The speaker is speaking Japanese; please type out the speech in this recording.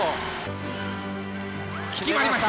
決まりました！